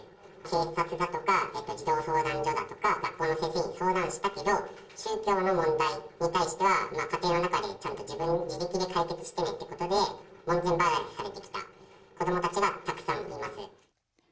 警察だとか児童相談所だとか、学校の先生に相談したけど、宗教の問題に対しては、家庭の中でちゃんと自力で解決してねってことで、門前払いされてきた子どもたちがたくさんいます。